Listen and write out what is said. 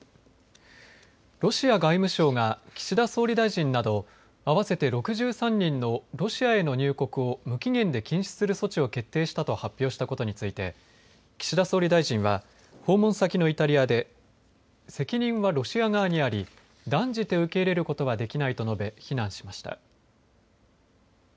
ロシア外務省が岸田総理大臣など合わせて６３人のロシアへの入国を無期限で禁止する措置を決定したと発表したことを受けて岸田総理大臣は訪問先のイタリアで責任はロシア側にあり断じて受け入れることはできないと述べ非難しました。